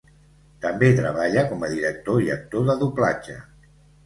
També treballa com a director i actor de doblatge.